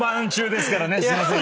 すいません。